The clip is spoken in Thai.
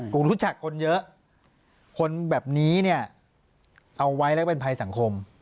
รู้จักคนเยอะคนแบบนี้เนี่ยเอาไว้และเป็นภัยสังคม